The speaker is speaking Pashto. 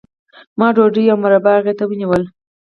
ما ډوډۍ او مربا هغې ته ونیوله